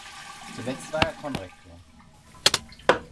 Zuletzt war er Konrektor.